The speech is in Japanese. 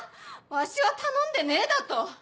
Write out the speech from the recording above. わしは頼んでねえだと？